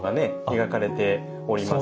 描かれておりますし。